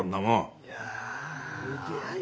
いや。